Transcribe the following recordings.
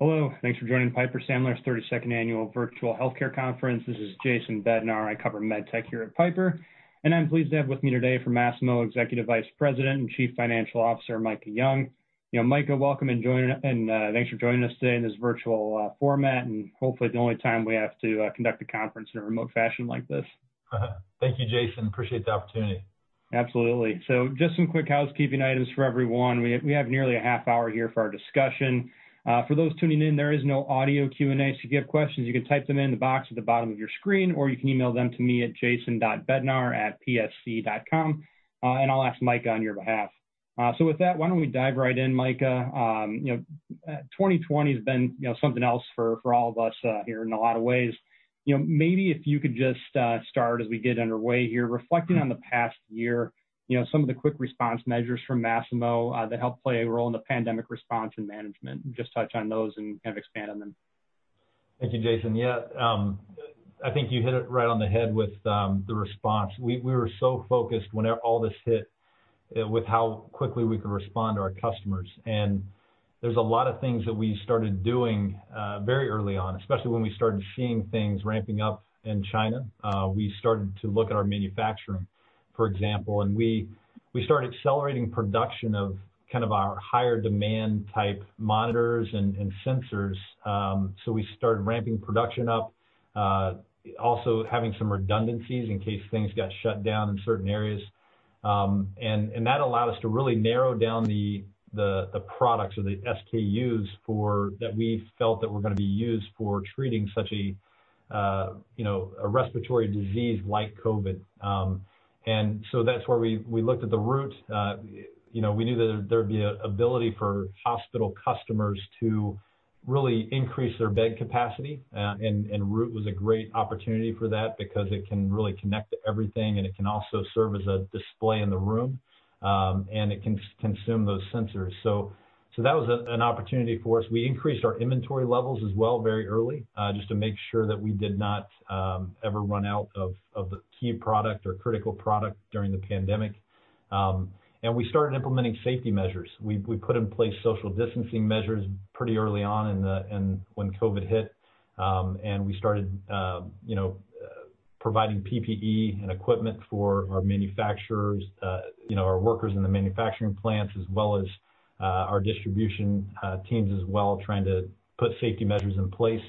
Hello. Thanks for joining the Piper Sandler's 32nd Annual Virtual Healthcare Conference. This is Jason Bednar. I cover medtech here at Piper, and I'm pleased to have with me today from Masimo, Executive Vice President and Chief Financial Officer, Micah Young. Micah, welcome and thanks for joining us today in this virtual format, and hopefully the only time we have to conduct a conference in a remote fashion like this. Thank you, Jason. Appreciate the opportunity. Absolutely. So just some quick housekeeping items for everyone. We have nearly a half hour here for our discussion. For those tuning in, there is no audio Q&A, so if you have questions, you can type them in the box at the bottom of your screen, or you can email them to me at jason.bednar@psc.com, and I'll ask Micah on your behalf. So, with that, why don't we dive right in, Micah? 2020 has been something else for all of us here in a lot of ways. Maybe if you could just start, as we get underway here, reflecting on the past year, some of the quick response measures from Masimo that helped play a role in the pandemic response and management. Just touch on those and kind of expand on them. Thank you, Jason. Yeah, I think you hit it right on the head with the response. We were so focused when all this hit with how quickly we could respond to our customers. And there's a lot of things that we started doing very early on, especially when we started seeing things ramping up in China. We started to look at our manufacturing, for example, and we started accelerating production of kind of our higher demand type monitors and sensors. So we started ramping production up, also having some redundancies in case things got shut down in certain areas. And that allowed us to really narrow down the products or the SKUs that we felt that were going to be used for treating such a respiratory disease like COVID. And so that's where we looked at the Root. We knew that there would be an ability for hospital customers to really increase their bed capacity, and Root was a great opportunity for that because it can really connect to everything, and it can also serve as a display in the room, and it can consume those sensors. So that was an opportunity for us. We increased our inventory levels as well very early just to make sure that we did not ever run out of the key product or critical product during the pandemic, and we started implementing safety measures. We put in place social distancing measures pretty early on when COVID hit, and we started providing PPE and equipment for our manufacturers, our workers in the manufacturing plants, as well as our distribution teams as well, trying to put safety measures in place.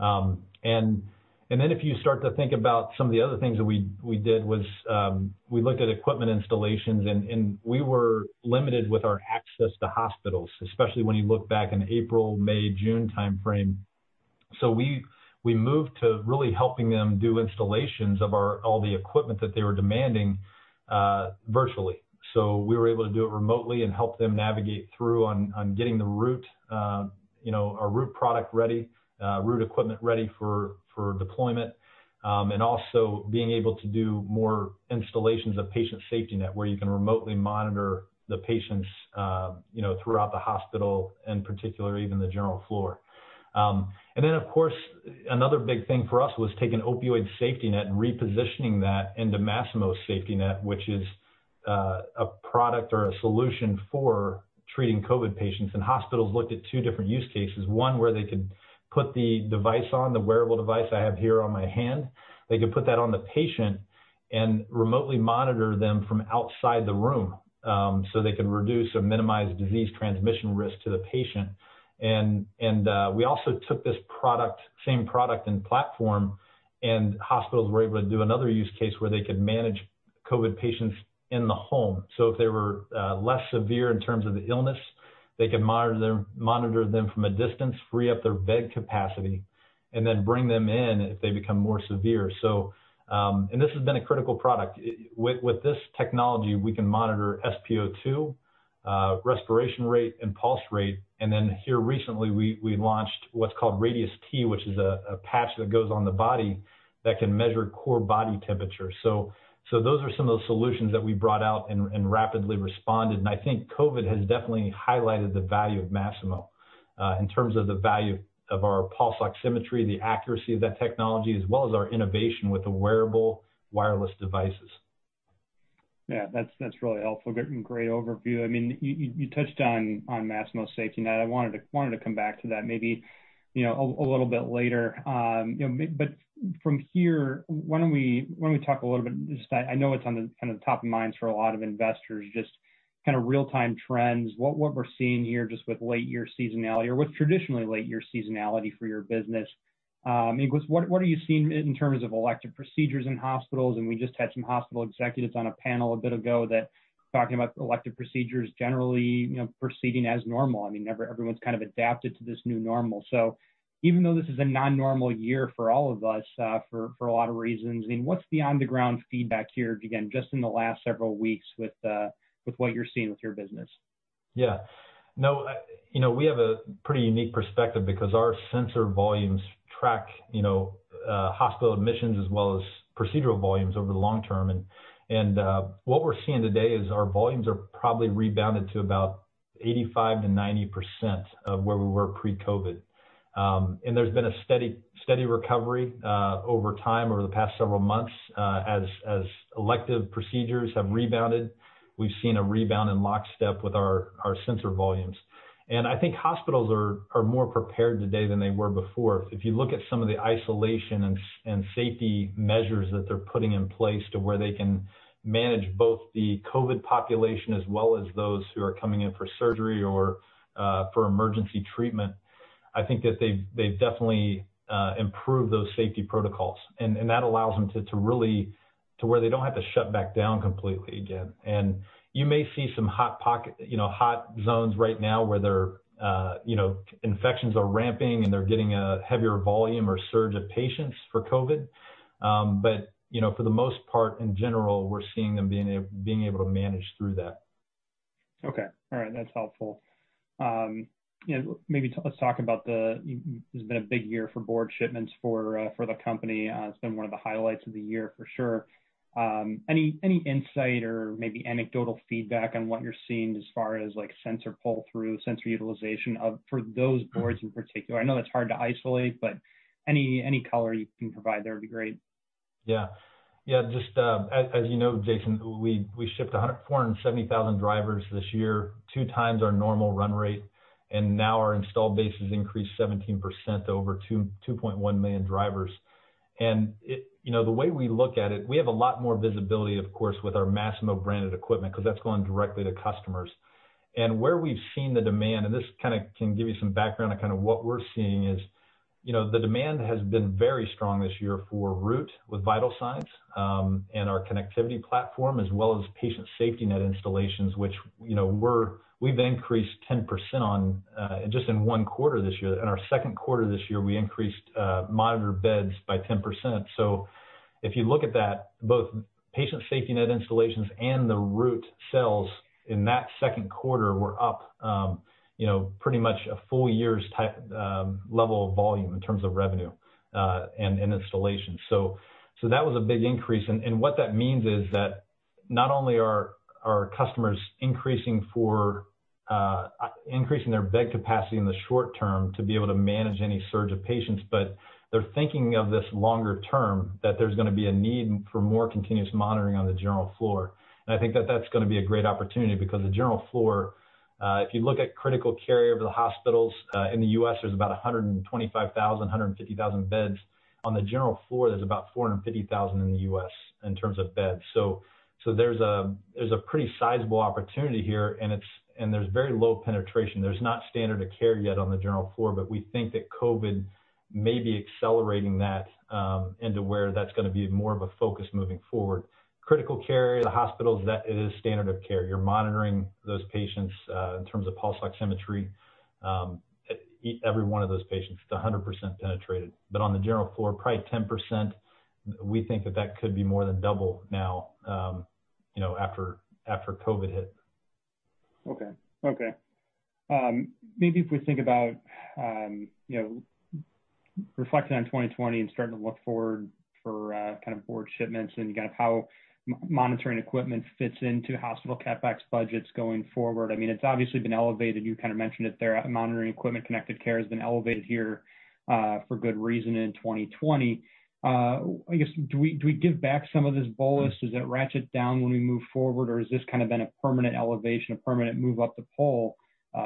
And then if you start to think about some of the other things that we did, we looked at equipment installations, and we were limited with our access to hospitals, especially when you look back in April, May, June timeframe, so we moved to really helping them do installations of all the equipment that they were demanding virtually. So we were able to do it remotely and help them navigate through on getting our Root product ready, Root equipment ready for deployment, and also being able to do more installations of Patient SafetyNet where you can remotely monitor the patients throughout the hospital, in particular, even the general floor, and then, of course, another big thing for us was taking Opioid SafetyNet and repositioning that into Masimo SafetyNet, which is a product or a solution for treating COVID patients. And hospitals looked at two different use cases, one where they could put the device on, the wearable device I have here on my hand. They could put that on the patient and remotely monitor them from outside the room so they could reduce or minimize disease transmission risk to the patient. And we also took this same product and platform, and hospitals were able to do another use case where they could manage COVID patients in the home. So if they were less severe in terms of the illness, they could monitor them from a distance, free up their bed capacity, and then bring them in if they become more severe. And this has been a critical product. With this technology, we can monitor SpO2, respiration rate, and pulse rate. And then here recently, we launched what's called Radius T, which is a patch that goes on the body that can measure core body temperature. So those are some of the solutions that we brought out and rapidly responded. And I think COVID has definitely highlighted the value of Masimo in terms of the value of our pulse oximetry, the accuracy of that technology, as well as our innovation with the wearable wireless devices. Yeah, that's really helpful. Great overview. I mean, you touched on Masimo SafetyNet. I wanted to come back to that maybe a little bit later. But from here, why don't we talk a little bit? I know it's on the top of mind for a lot of investors, just kind of real-time trends, what we're seeing here just with late-year seasonality or with traditionally late-year seasonality for your business. What are you seeing in terms of elective procedures in hospitals? And we just had some hospital executives on a panel a bit ago that were talking about elective procedures generally proceeding as normal. I mean, everyone's kind of adapted to this new normal. So even though this is a non-normal year for all of us for a lot of reasons, I mean, what's the on-the-ground feedback here, again, just in the last several weeks with what you're seeing with your business? Yeah. No, we have a pretty unique perspective because our sensor volumes track hospital admissions as well as procedural volumes over the long term. And what we're seeing today is our volumes are probably rebounded to about 85%-90% of where we were pre-COVID. And there's been a steady recovery over time over the past several months as elective procedures have rebounded. We've seen a rebound in lockstep with our sensor volumes. And I think hospitals are more prepared today than they were before. If you look at some of the isolation and safety measures that they're putting in place to where they can manage both the COVID population as well as those who are coming in for surgery or for emergency treatment, I think that they've definitely improved those safety protocols. That allows them to really get to where they don't have to shut back down completely again. You may see some hot zones right now where their infections are ramping and they're getting a heavier volume or surge of patients for COVID. For the most part, in general, we're seeing them being able to manage through that. Okay. All right. That's helpful. Maybe let's talk about. There's been a big year for board shipments for the company. It's been one of the highlights of the year for sure. Any insight or maybe anecdotal feedback on what you're seeing as far as sensor pull-through, sensor utilization for those boards in particular? I know that's hard to isolate, but any color you can provide, that would be great. Yeah. Yeah. Just as you know, Jason, we shipped 470,000 drivers this year, two times our normal run rate, and now our installed base has increased 17% to over 2.1 million drivers, and the way we look at it, we have a lot more visibility, of course, with our Masimo branded equipment because that's going directly to customers, and where we've seen the demand, and this kind of can give you some background on kind of what we're seeing is the demand has been very strong this year for Root with vital signs and our connectivity platform as well as Patient SafetyNet installations, which we've increased 10% on just in one quarter this year. In our Q2 this year, we increased monitor beds by 10%. So, if you look at that, both Patient SafetyNet installations and the Root sales in that Q2 were up pretty much a full year's level of volume in terms of revenue and installation. So that was a big increase. And what that means is that not only are our customers increasing their bed capacity in the short term to be able to manage any surge of patients, but they're thinking of this longer term that there's going to be a need for more continuous monitoring on the general floor. And I think that that's going to be a great opportunity because the general floor, if you look at the critical care areas of the hospitals. In the U.S., there's about 125,000-150,000 beds. On the general floor, there's about 450,000 in the U.S. in terms of beds. So, there's a pretty sizable opportunity here, and there's very low penetration. There's no standard of care yet on the general floor, but we think that COVID may be accelerating that into where that's going to be more of a focus moving forward. Critical care in the hospitals, it is standard of care. You're monitoring those patients in terms of pulse oximetry, every one of those patients. It's 100% penetrated. But on the general floor, probably 10%. We think that that could be more than double now after COVID hit. Okay. Okay. Maybe if we think about reflecting on 2020 and starting to look forward for kind of broad shipments and kind of how monitoring equipment fits into hospital CapEx budgets going forward. I mean, it's obviously been elevated. You kind of mentioned it there. Monitoring equipment, connected care has been elevated here for good reason in 2020. I guess, do we give back some of this bolus? Does it ratchet down when we move forward, or has this kind of been a permanent elevation, a permanent move up the pole,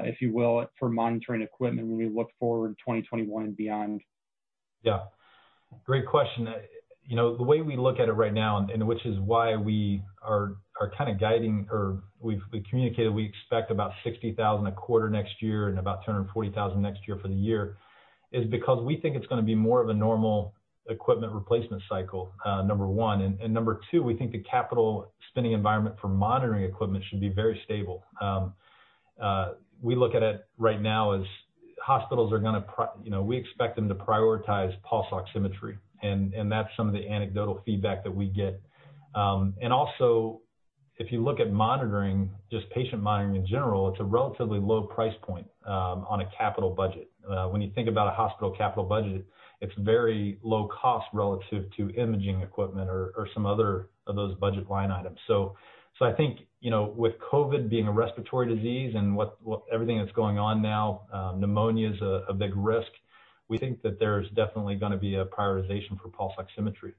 if you will, for monitoring equipment when we look forward to 2021 and beyond? Yeah. Great question. The way we look at it right now, and which is why we are kind of guiding or we've communicated we expect about 60,000 a quarter next year and about 240,000 next year for the year, is because we think it's going to be more of a normal equipment replacement cycle, number one. And number two, we think the capital spending environment for monitoring equipment should be very stable. We look at it right now as hospitals are going to we expect them to prioritize pulse oximetry, and that's some of the anecdotal feedback that we get. And also, if you look at monitoring, just patient monitoring in general, it's a relatively low price point on a capital budget. When you think about a hospital capital budget, it's very low cost relative to imaging equipment or some other of those budget line items. So I think with COVID being a respiratory disease and everything that's going on now, pneumonia is a big risk. We think that there's definitely going to be a prioritization for pulse oximetry.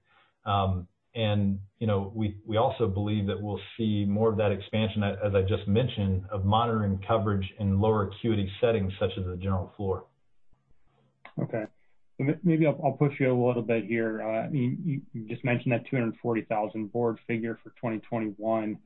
And we also believe that we'll see more of that expansion, as I just mentioned, of monitoring coverage in lower acuity settings such as the general floor. Okay. Maybe I'll push you a little bit here. You just mentioned that 240,000 board figure for 2021.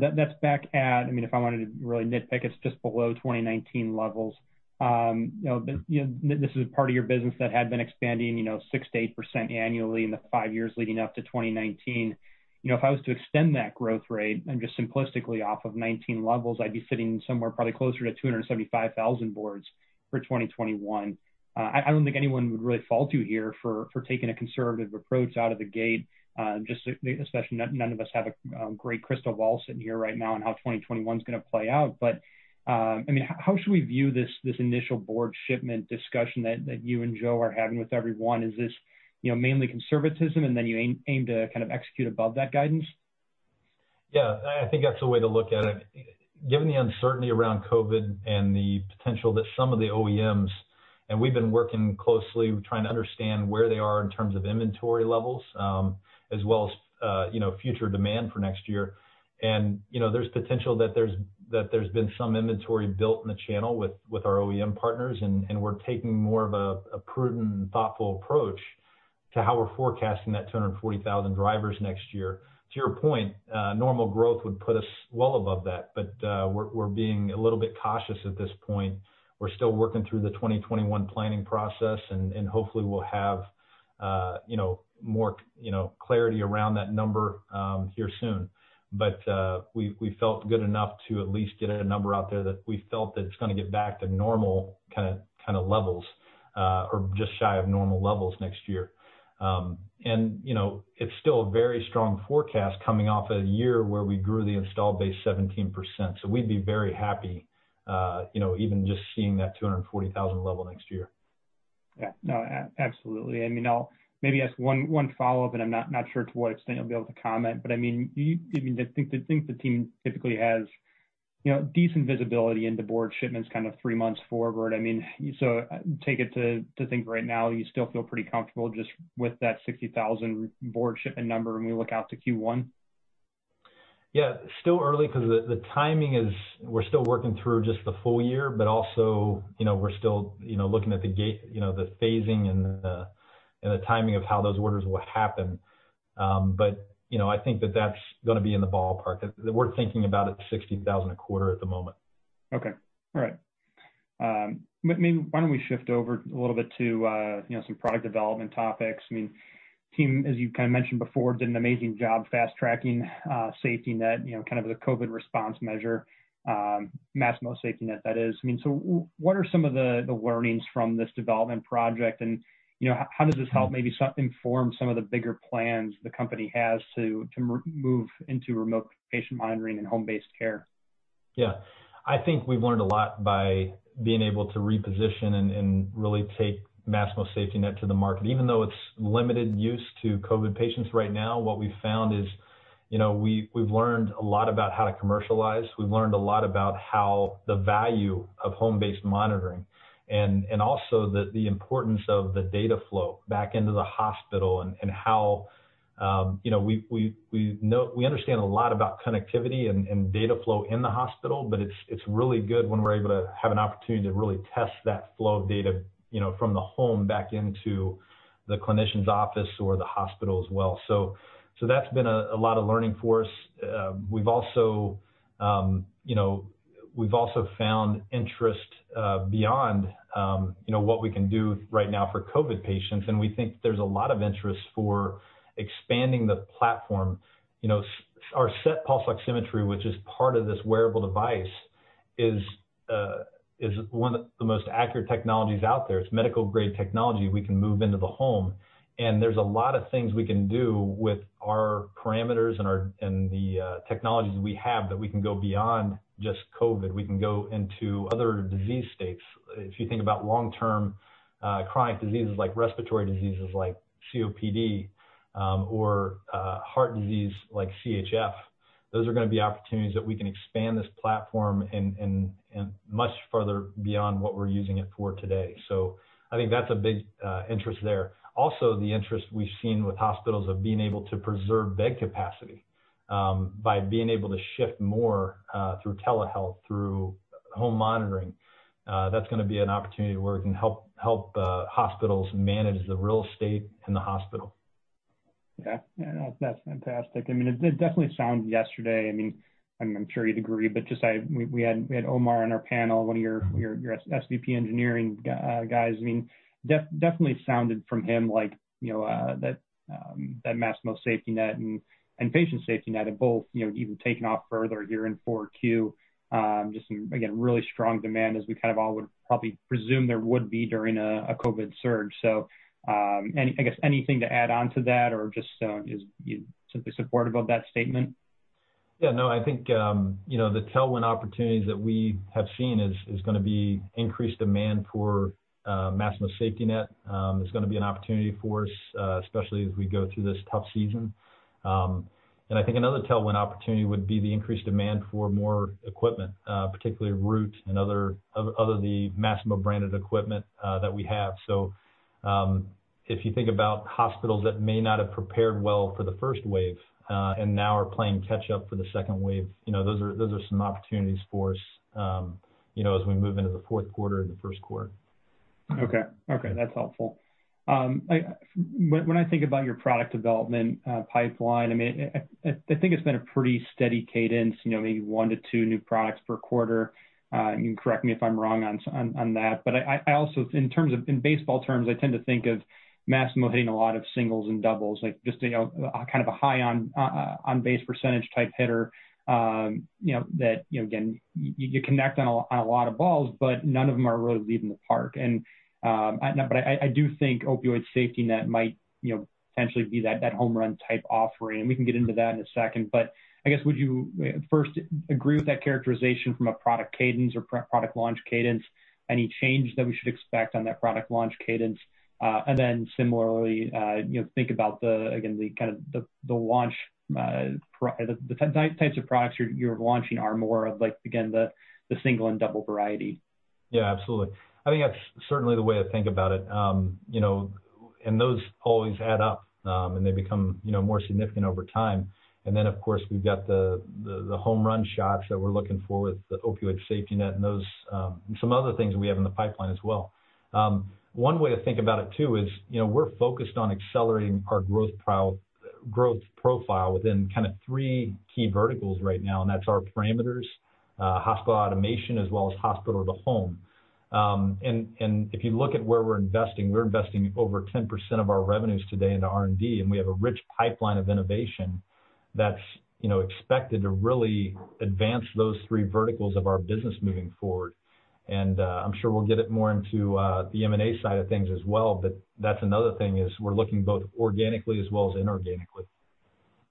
That's back at, I mean, if I wanted to really nitpick, it's just below 2019 levels. This is a part of your business that had been expanding 6%-8% annually in the five years leading up to 2019. If I was to extend that growth rate and just simplistically off of 19 levels, I'd be sitting somewhere probably closer to 275,000 boards for 2021. I don't think anyone would really fault you here for taking a conservative approach out of the gate, especially none of us have a great crystal ball sitting here right now on how 2021 is going to play out, but I mean, how should we view this initial board shipment discussion that you and Joe are having with everyone? Is this mainly conservatism, and then you aim to kind of execute above that guidance? Yeah. I think that's the way to look at it. Given the uncertainty around COVID and the potential that some of the OEMs and we've been working closely trying to understand where they are in terms of inventory levels as well as future demand for next year, and there's potential that there's been some inventory built in the channel with our OEM partners, and we're taking more of a prudent and thoughtful approach to how we're forecasting that 240,000 drivers next year. To your point, normal growth would put us well above that, but we're being a little bit cautious at this point. We're still working through the 2021 planning process, and hopefully, we'll have more clarity around that number here soon. But we felt good enough to at least get a number out there that we felt that it's going to get back to normal kind of levels or just shy of normal levels next year. And it's still a very strong forecast coming off a year where we grew the installed base 17%. So, we'd be very happy even just seeing that 240,000 level next year. Yeah. No, absolutely. I mean, I'll maybe ask one follow-up, and I'm not sure to what extent you'll be able to comment. But I mean, I think the team typically has decent visibility into board shipments kind of three months forward. I mean, so taking that into account right now, you still feel pretty comfortable just with that 60,000 board shipment number when we look out to Q1? Yeah. Still early because the timing is we're still working through just the full year, but also we're still looking at the phasing and the timing of how those orders will happen. But I think that that's going to be in the ballpark. We're thinking about it 60,000 a quarter at the moment. Okay. All right. Maybe why don't we shift over a little bit to some product development topics? I mean, team, as you kind of mentioned before, did an amazing job fast-tracking SafetyNet kind of as a COVID response measure, Masimo SafetyNet that is. I mean, so what are some of the learnings from this development project, and how does this help maybe inform some of the bigger plans the company has to move into remote patient monitoring and home-based care? Yeah. I think we've learned a lot by being able to reposition and really take Masimo SafetyNet to the market. Even though it's limited use to COVID patients right now, what we've found is we've learned a lot about how to commercialize. We've learned a lot about how the value of home-based monitoring and also the importance of the data flow back into the hospital and how we understand a lot about connectivity and data flow in the hospital, but it's really good when we're able to have an opportunity to really test that flow of data from the home back into the clinician's office or the hospital as well. So that's been a lot of learning for us. We've also found interest beyond what we can do right now for COVID patients, and we think there's a lot of interest for expanding the platform. Our SET pulse oximetry, which is part of this wearable device, is one of the most accurate technologies out there. It's medical-grade technology we can move into the home, and there's a lot of things we can do with our parameters and the technologies we have that we can go beyond just COVID. We can go into other disease states. If you think about long-term chronic diseases like respiratory diseases like COPD or heart disease like CHF, those are going to be opportunities that we can expand this platform much further beyond what we're using it for today, so I think that's a big interest there. Also, the interest we've seen with hospitals of being able to preserve bed capacity by being able to shift more through telehealth, through home monitoring. That's going to be an opportunity where we can help hospitals manage the real estate in the hospital. Yeah. That's fantastic. I mean, it definitely sounds yesterday. I mean, I'm sure you'd agree, but just we had Omar on our panel, one of your SVP engineering guys. I mean, definitely sounded from him like that Masimo SafetyNet and Patient SafetyNet have both even taken off further here in 4Q, just some, again, really strong demand as we kind of all would probably presume there would be during a COVID surge. So I guess anything to add on to that or just simply supportive of that statement? Yeah. No, I think the tailwind opportunities that we have seen is going to be increased demand for Masimo SafetyNet. It's going to be an opportunity for us, especially as we go through this tough season, and I think another tailwind opportunity would be the increased demand for more equipment, particularly Root and other of the Masimo branded equipment that we have, so if you think about hospitals that may not have prepared well for the first wave and now are playing catch-up for the second wave, those are some opportunities for us as we move into the Q4 and the Q1. Okay. Okay. That's helpful. When I think about your product development pipeline, I mean, I think it's been a pretty steady cadence, maybe one to two new products per quarter. You can correct me if I'm wrong on that. But I also, in terms of in baseball terms, I tend to think of Masimo hitting a lot of singles and doubles, just kind of a high-on-base percentage type hitter that, again, you connect on a lot of balls, but none of them are really leaving the park. But I do think Opioid SafetyNet might potentially be that home run type offering. And we can get into that in a second. But I guess, would you first agree with that characterization from a product cadence or product launch cadence? Any change that we should expect on that product launch cadence? And then, similarly, think about, again, kind of the launch types of products you're launching are more of, again, the single and double variety. Yeah. Absolutely. I think that's certainly the way to think about it. And those always add up, and they become more significant over time. And then, of course, we've got the home run shots that we're looking for with the Opioid SafetyNet and some other things we have in the pipeline as well. One way to think about it too is we're focused on accelerating our growth profile within kind of three key verticals right now, and that's our parameters, hospital automation, as well as hospital to home. And if you look at where we're investing, we're investing over 10% of our revenues today into R&D, and we have a rich pipeline of innovation that's expected to really advance those three verticals of our business moving forward. And I'm sure we'll get it more into the M&A side of things as well. But that's another thing is we're looking both organically as well as inorganically.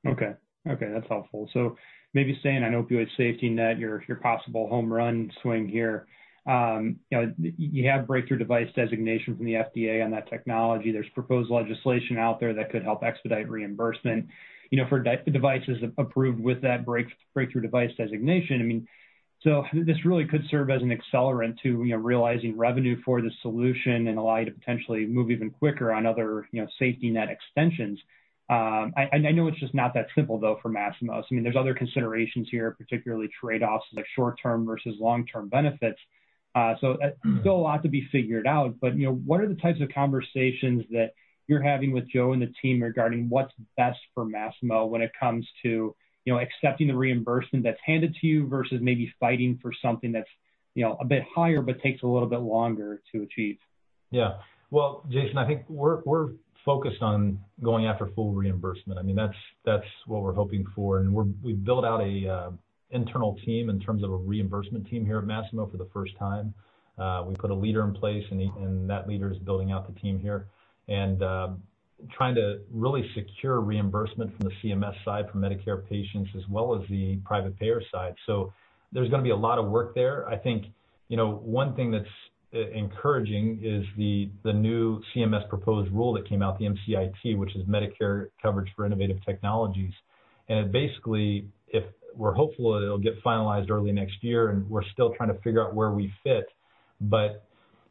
Okay. Okay. That's helpful. So maybe saying on Opioid SafetyNet, your possible home run swing here, you have Breakthrough Device Designation from the FDA on that technology. There's proposed legislation out there that could help expedite reimbursement for devices approved with that Breakthrough Device Designation. I mean, so this really could serve as an accelerant to realizing revenue for the solution and allow you to potentially move even quicker on other SafetyNet extensions. I know it's just not that simple though for Masimo. I mean, there's other considerations here, particularly trade-offs like short-term versus long-term benefits. So still a lot to be figured out. But what are the types of conversations that you're having with Joe and the team regarding what's best for Masimo when it comes to accepting the reimbursement that's handed to you versus maybe fighting for something that's a bit higher but takes a little bit longer to achieve? Yeah. Well, Jason, I think we're focused on going after full reimbursement. I mean, that's what we're hoping for. And we've built out an internal team in terms of a reimbursement team here at Masimo for the first time. We put a leader in place, and that leader is building out the team here and trying to really secure reimbursement from the CMS side for Medicare patients as well as the private payer side. So there's going to be a lot of work there. I think one thing that's encouraging is the new CMS proposed rule that came out, the MCIT, which is Medicare Coverage of Innovative Technologies. And basically, we're hopeful it'll get finalized early next year, and we're still trying to figure out where we fit. But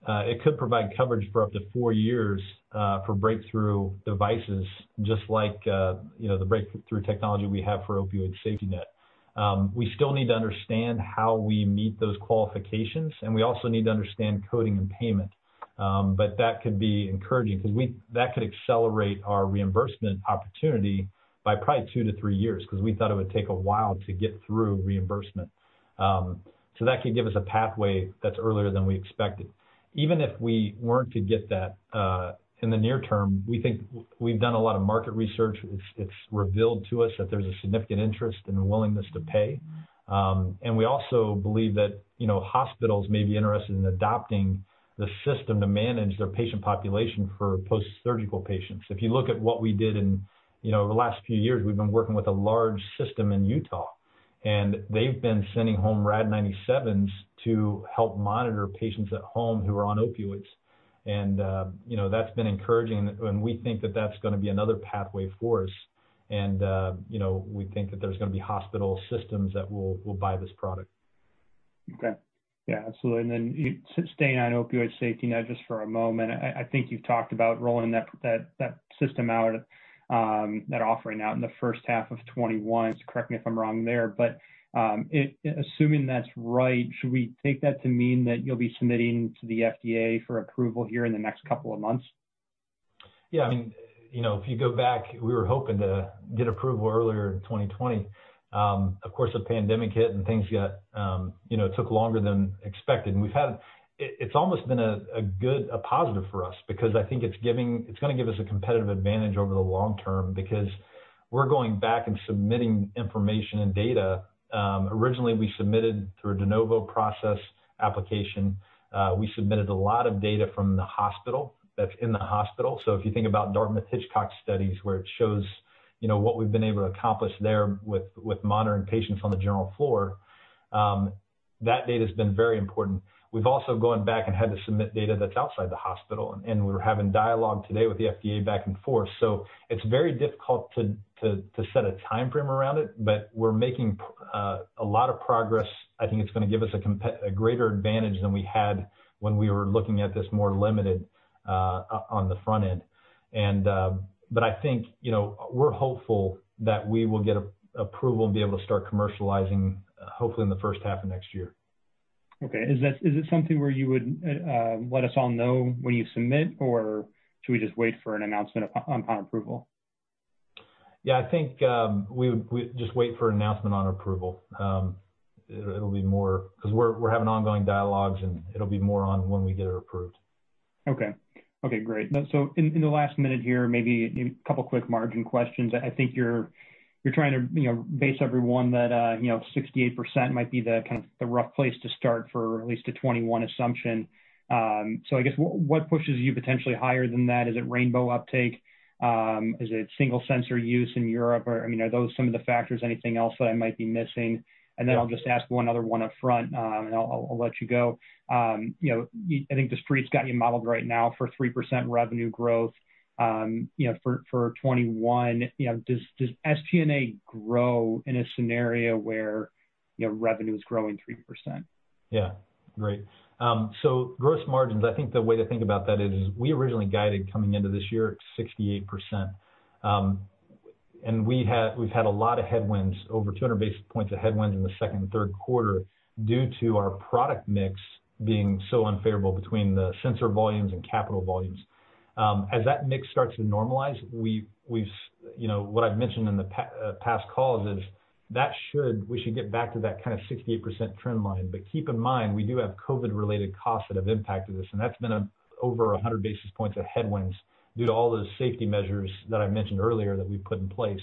it could provide coverage for up to four years for breakthrough devices, just like the breakthrough technology we have for Opioid SafetyNet. We still need to understand how we meet those qualifications, and we also need to understand coding and payment. But that could be encouraging because that could accelerate our reimbursement opportunity by probably two to three years because we thought it would take a while to get through reimbursement. So that could give us a pathway that's earlier than we expected. Even if we weren't to get that in the near term, we think we've done a lot of market research. It's revealed to us that there's a significant interest and willingness to pay. And we also believe that hospitals may be interested in adopting the system to manage their patient population for post-surgical patients. If you look at what we did in the last few years, we've been working with a large system in Utah, and they've been sending home Rad-97 to help monitor patients at home who are on opioids. And that's been encouraging, and we think that that's going to be another pathway for us. And we think that there's going to be hospital systems that will buy this product. Okay. Yeah. Absolutely. And then staying on Opioid SafetyNet just for a moment, I think you've talked about rolling that system out, that offering out in the first half of 2021. Correct me if I'm wrong there. But assuming that's right, should we take that to mean that you'll be submitting to the FDA for approval here in the next couple of months? Yeah. I mean, if you go back, we were hoping to get approval earlier in 2020. Of course, the pandemic hit and things took longer than expected. It's almost been a good positive for us because I think it's going to give us a competitive advantage over the long term because we're going back and submitting information and data. Originally, we submitted through a De Novo process application. We submitted a lot of data from the hospital that's in the hospital. So if you think about Dartmouth-Hitchcock studies where it shows what we've been able to accomplish there with monitoring patients on the general floor, that data has been very important. We've also gone back and had to submit data that's outside the hospital. And we're having dialogue today with the FDA back and forth. So it's very difficult to set a time frame around it, but we're making a lot of progress. I think it's going to give us a greater advantage than we had when we were looking at this more limited on the front end. But I think we're hopeful that we will get approval and be able to start commercializing, hopefully, in the first half of next year. Okay. Is it something where you would let us all know when you submit, or should we just wait for an announcement upon approval? Yeah. I think we would just wait for an announcement on approval. It'll be more because we're having ongoing dialogues, and it'll be more on when we get it approved. Okay. Great. So in the last minute here, maybe a couple of quick margin questions. I think you're trying to base everyone that 68% might be the kind of the rough place to start for at least a 2021 assumption. So I guess what pushes you potentially higher than that? Is it rainbow uptake? Is it single sensor use in Europe? I mean, are those some of the factors? Anything else that I might be missing? And then I'll just ask one other one upfront, and I'll let you go. I think the street's got you modeled right now for 3% revenue growth for 2021. Does SG&A grow in a scenario where revenue is growing 3%? Yeah. Great. So, gross margins, I think the way to think about that is we originally guided coming into this year at 68%. And we've had a lot of headwinds, over 200 basis points of headwinds in the second and Q3 due to our product mix being so unfavorable between the sensor volumes and capital volumes. As that mix starts to normalize, what I've mentioned in the past calls is that we should get back to that kind of 68% trend line, but keep in mind, we do have COVID-related costs that have impacted this, and that's been over 100 basis points of headwinds due to all those safety measures that I mentioned earlier that we've put in place,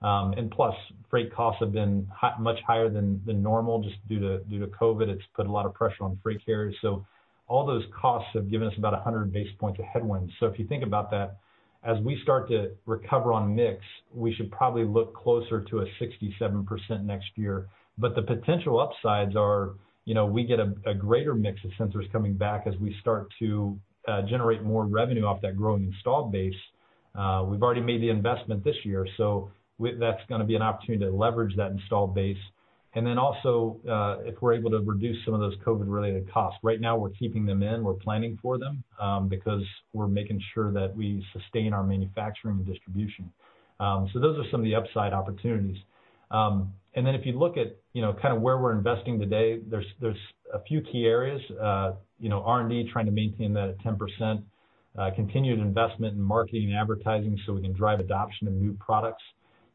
and plus, freight costs have been much higher than normal just due to COVID. It's put a lot of pressure on freight carriers. So all those costs have given us about 100 basis points of headwinds. So if you think about that, as we start to recover on mix, we should probably look closer to a 67% next year. But the potential upsides are we get a greater mix of sensors coming back as we start to generate more revenue off that growing installed base. We've already made the investment this year, so that's going to be an opportunity to leverage that installed base. And then also, if we're able to reduce some of those COVID-related costs. Right now, we're keeping them in. We're planning for them because we're making sure that we sustain our manufacturing and distribution. So those are some of the upside opportunities. Then if you look at kind of where we're investing today, there's a few key areas: R&D, trying to maintain that at 10%; continued investment in marketing and advertising so we can drive adoption of new products.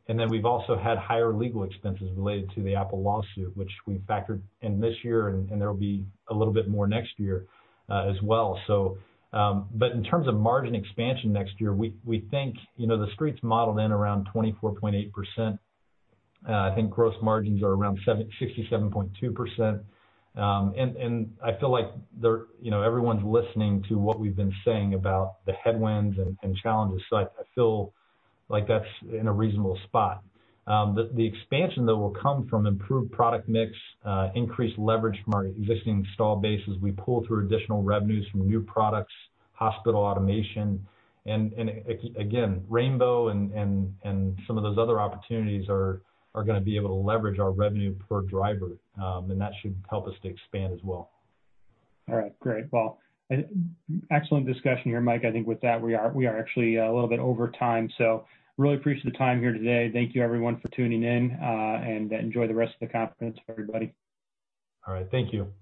We've also had higher legal expenses related to the Apple lawsuit, which we factored in this year, and there will be a little bit more next year as well. In terms of margin expansion next year, we think the street's modeled in around 24.8%. I think gross margins are around 67.2%. I feel like everyone's listening to what we've been saying about the headwinds and challenges. I feel like that's in a reasonable spot. The expansion, though, will come from improved product mix, increased leverage from our existing installed bases. We pull through additional revenues from new products, hospital automation. Again, rainbow and some of those other opportunities are going to be able to leverage our revenue per driver, and that should help us to expand as well. All right. Great. Well, excellent discussion here, Mike. I think with that, we are actually a little bit over time. So really appreciate the time here today. Thank you, everyone, for tuning in, and enjoy the rest of the conference, everybody. All right. Thank you.